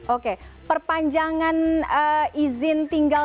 oke perpanjangan izin tinggal